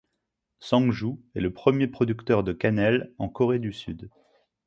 Sangju est le premier producteur de cannelle en Corée du Sud.